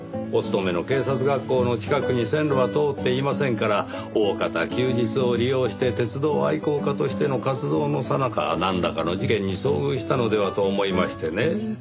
お勤めの警察学校の近くに線路は通っていませんからおおかた休日を利用して鉄道愛好家としての活動のさなかなんらかの事件に遭遇したのではと思いましてね。